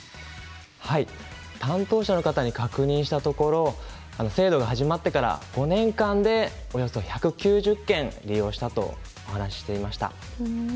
はい担当者の方に確認したところ制度が始まってから５年間でおよそ１９０件利用したとお話ししていました。